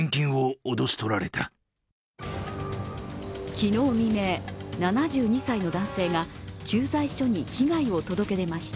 昨日未明、７２歳の男性が駐在所に被害を届け出ました。